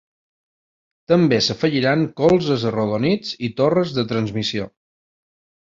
També s'afegiran colzes arrodonits i torres de transmissió.